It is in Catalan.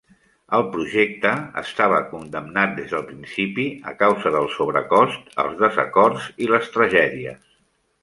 El projecte estava condemnat des del principi a causa del sobrecost, els desacords i les tragèdies.